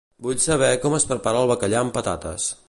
Vull saber com es prepara el bacallà amb patates.